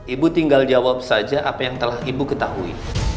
ibu tinggal jawab saja apa yang telah ibu ketahui